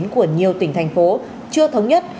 của nhiều tỉnh thành phố chưa thống nhất